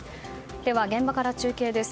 では、現場から中継です。